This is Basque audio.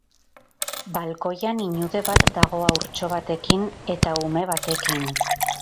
Balkoian inude bat dago haurtxo batekin eta ume batekin.